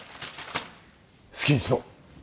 好きにしろ